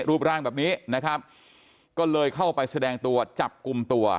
รูปร่างแบบนี้นะครับก็เลยเข้าไปแสดงตัวจับกลุ่มตัว